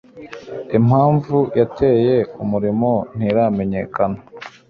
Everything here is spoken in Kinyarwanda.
Impamvu yateye umuriro ntiramenyekana